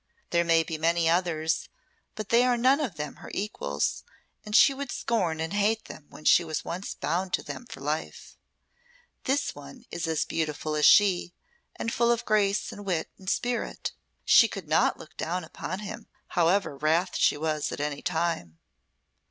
There may be many others, but they are none of them her equals, and she would scorn and hate them when she was once bound to them for life. This one is as beautiful as she and full of grace, and wit, and spirit. She could not look down upon him, however wrath she was at any time.